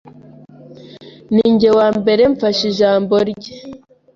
Ninjye wa mbere mfashe ijambo rye